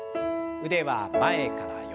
腕は前から横。